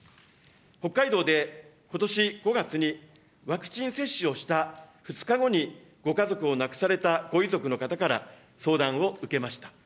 北海道でことし５月に、ワクチン接種をした２日後にご家族を亡くされたご遺族の方から相談を受けました。